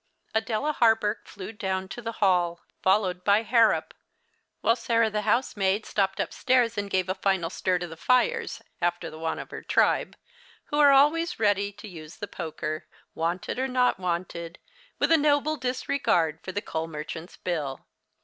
Adela Hawberk flew down to the hall, followed by Harrop, while Sarah the housemaid stopped upstairs and 92 The Christmas Hirelings. gave a final stir to the fires after the wont of her tribe, who are always ready to use the poker, wanted or not wanted, with a noble disregard to the coal merchant's bill.